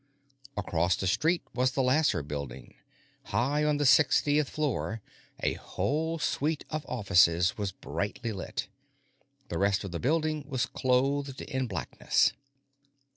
Across the street was the Lasser Building; high up on the sixtieth floor, a whole suite of offices was brightly lit. The rest of the building was clothed in blackness.